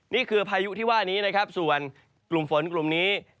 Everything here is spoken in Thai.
นี่คือพายุที่ว่านี้นะครับส่วนกลุ่มฝนกลุ่มนี้